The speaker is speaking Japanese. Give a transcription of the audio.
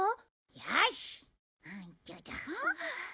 よし！